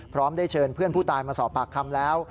พร้อมได้เชิญเพื่อนผู้ตายมาสอบปากคำแล้ว